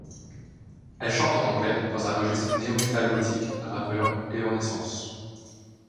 Elle chante en anglais, dans un registre néo metal gothique rappelant Evanescence.